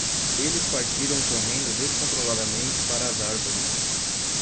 Eles partiram correndo descontroladamente para as árvores.